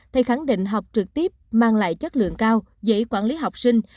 thầy khẳng định học trực tiếp mang lại chất lượng cao dễ quản lý học sinh